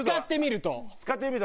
使ってみると。